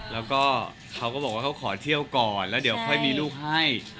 แล้วก็เขาก็บอกว่าเขาขอเที่ยวก่อนแล้วเดี๋ยวค่อยมีลูกให้